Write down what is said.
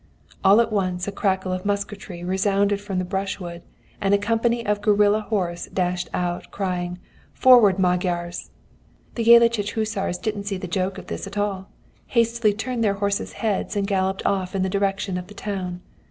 "All at once a crackle of musketry resounded from the brushwood, and a company of guerilla horse dashed out, crying, 'Forward, Magyars!' The Jellachich hussars didn't see the joke of this at all, hastily turned their horses' heads and galloped off in the direction of the town.